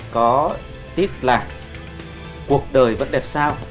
có tiết là cuộc đời vẫn đẹp sao